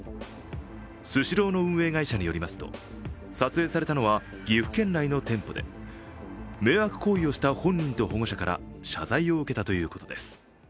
スシローの運営会社によりますと、撮影されたのは岐阜県内の店舗で迷惑行為をした本人と保護者から謝罪を受けたということです。